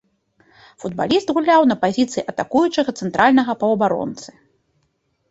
Футбаліст гуляў на пазіцыі атакуючага цэнтральнага паўабаронцы.